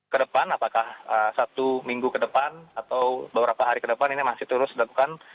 kedepan apakah satu minggu kedepan atau beberapa hari kedepan ini masih terus dilakukan